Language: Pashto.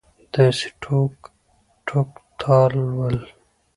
داسې ټوک ټوک تال ول